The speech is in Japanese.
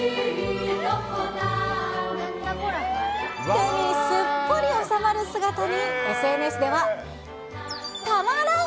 手にすっぽり収まる姿に、ＳＮＳでは、たまらん！